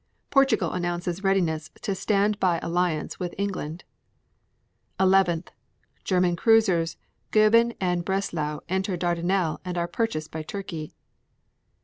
8. Portugal announces readiness to stand by alliance with England. 11. German cruisers Goeben and Breslau enter Dardanelles and are purchased by Turkey.